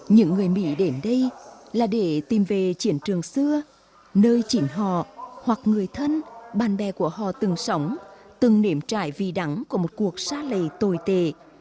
những người mỹ đến đây là để tìm về chiến trường xưa nơi chỉnh họ hoặc người thân bạn bè của họ từng sống từng nểm trải vì đắng của một cuộc xa lầy tồi tệ